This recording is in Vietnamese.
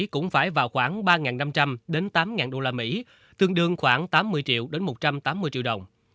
cũng phải vào khoảng ba năm trăm linh đến tám đô la mỹ tương đương khoảng tám mươi triệu đến một trăm tám mươi triệu đồng